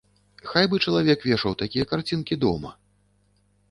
Хай бы чалавек вешаў такія карцінкі дома.